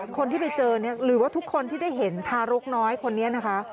คนที่ไปเจอเนี่ยหรือว่าทุกคนที่ได้เห็นทารกน้อยคนนี้นะคะ